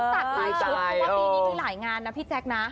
จัดหลายชุดเพราะว่าปีนี้มีหลายงานนะพี่แจ๊คนะ